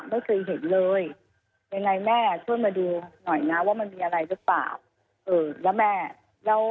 ไม่เคยเห็นเลยยังไงแม่ช่วยมาดูหน่อยนะว่ามันมีอะไรหรือเปล่าเออแล้วแม่แล้ว